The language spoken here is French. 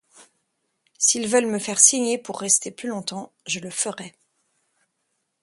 S'ils veulent me faire signer pour rester plus longtemps, je le ferai.